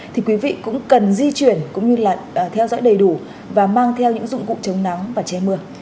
thì quý vị cũng cần di chuyển cũng như là theo dõi đầy đủ và mang theo những dụng cụ chống nắng và che mưa